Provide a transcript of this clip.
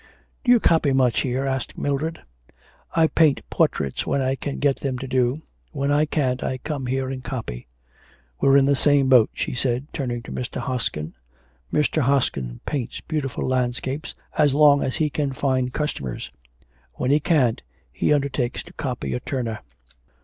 'Do you copy much here?' asked Mildred. 'I paint portraits when I can get them to do; when I can't, I come here and copy.... We're in the same boat,' she said, turning to Mr. Hoskin. 'Mr. Hoskin paints beautiful landscapes as long as he can find customers; when he can't, he undertakes to copy a Turner.'